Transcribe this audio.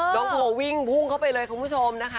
น้องโพวิ่งพุ่งเข้าไปเลยคุณผู้ชมนะคะ